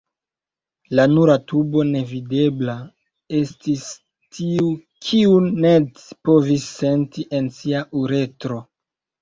La nura tubo nevidebla estis tiu kiun Ned povis senti en sia uretro.